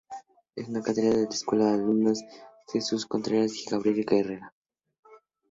En su cátedra en la escuela fueron alumnos Jesús Fructuoso Contreras y Gabriel Guerra.